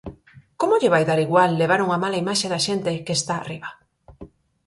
¿Como lle vai dar igual levar unha mala imaxe da xente que está arriba?